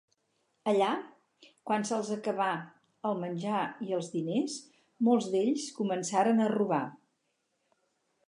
Allà, quan se'ls acabà el menjar i els diners, molts d'ells començaren a robar.